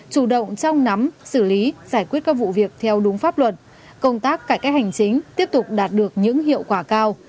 chủ động trong nắm xử lý giải quyết các vụ việc theo đúng pháp luật công tác cải cách hành chính tiếp tục đạt được những hiệu quả cao